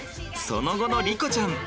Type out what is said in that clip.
その後の莉子ちゃん。